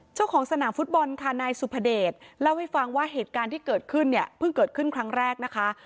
เจ้าของสนามฟุตบอลค่ะนายสุภเดชเล่าให้ฟังว่าเหตุการณ์ที่เกิดขึ้นเนี่ยเพิ่งเกิดขึ้นครั้งแรกนะคะ